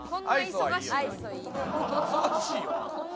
忙しいよな？